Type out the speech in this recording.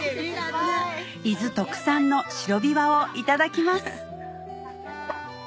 伊豆特産の白びわをいただきます